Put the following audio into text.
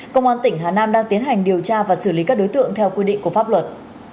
công an tỉnh hà nam đang tiến hành điều tra và xử lý các đối tượng theo quy định của pháp luật